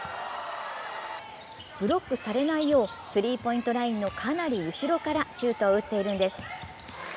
ブロックされないようスリーポイントラインのかなり後ろからシュートを打っているんです。